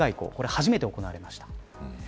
初めて行われました。